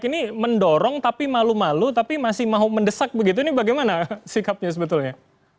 ini mendorong tapi malu malu tapi masih mau mendesak begitu ini bagaimana sikapnya sebetulnya